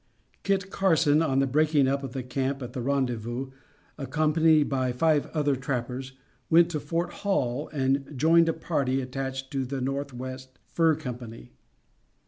Kit Carson, on the breaking up of the camp at the rendezvous, accompanied by five other trappers, went to Fort Hall and joined a party attached to the "Northwest Fur Company."